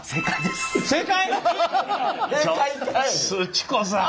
すち子さん。